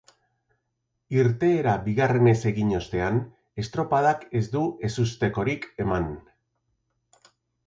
Irteera bigarrenez egin ostean, estropadak ez du ezustekorik eman.